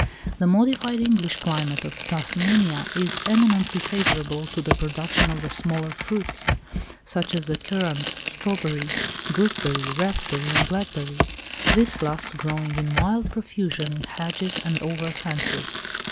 The modified English climate of Tasmania is eminently favourable to the production of the smaller fruits, such as the currant, strawberry, gooseberry, raspberry and blackberry—this last growing in wild profusion in hedges and over fences.